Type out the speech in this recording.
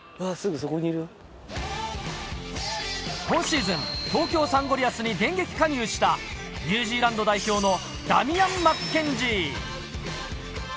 今シーズン、東京サンゴリアスに電撃加入したニュージーランド代表のダミアン・マッケンジー。